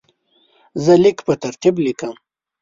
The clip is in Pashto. زه لیک په ترتیب لیکم.